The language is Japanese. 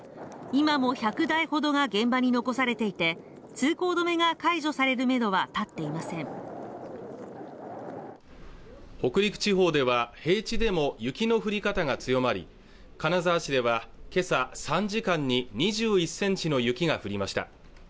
今も１００台ほどが現場に残されていて通行止めが解除されるめどは立っていません北陸地方では平地でも雪の降り方が強まり金沢市では今朝３時間に２１センチの雪が降りました